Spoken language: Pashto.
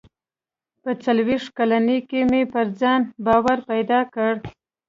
• په څلوېښت کلنۍ کې مې په ځان باور پیدا کړ.